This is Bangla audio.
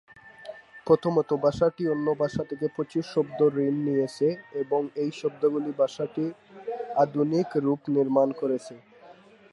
প্রথমত, ভাষাটি অন্য ভাষা থেকে প্রচুর শব্দ ঋণ নিয়েছে এবং এই শব্দগুলি ভাষাটির আধুনিক রূপ নির্মাণ করেছে।